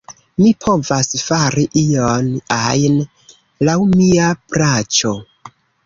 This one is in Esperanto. Mi povas fari ion ajn, laŭ mia plaĉo.